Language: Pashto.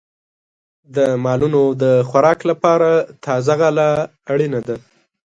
د مالونو د خوراک لپاره تازه غله اړینه ده.